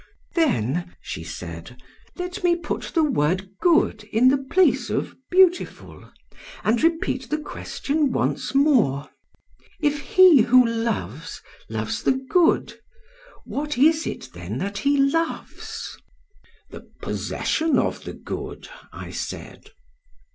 "'Then,' she said, 'let me put the word "good" in the place of "beautiful," and repeat the question once more: If he who loves, loves the good, what is it then that he loves?' "'The possession of the good,' I said.